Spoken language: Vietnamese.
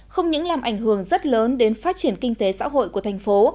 không những làm ảnh hưởng rất lớn đến phát triển kinh tế xã hội của thành phố